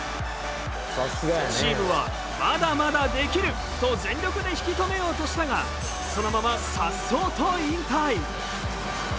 チームはまだまだできると全力で引き留めようとしたがそのままさっそうと引退。